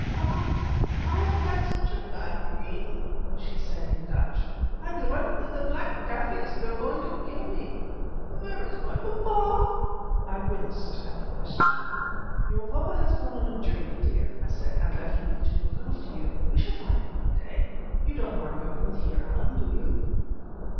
"Ah, I have had such a bad dream," she said, in Dutch: "I dreamed that the black Kaffirs were going to kill me. Where is my papa?" I winced at the question. "Your papa has gone on a journey, dear," I said, "and left me to look after you. We shall find him one day. You don't mind going with Heer Allan, do you?"